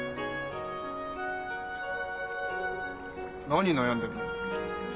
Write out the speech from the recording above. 何悩んでるの？